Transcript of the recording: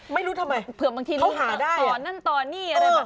ไม่รู้ทำไมเผื่อบางทีเขาหาได้